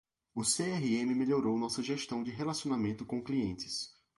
O CRM melhorou nossa gestão de relacionamento com clientes.